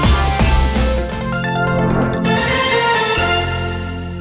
โปรดติดตามตอนต่อไป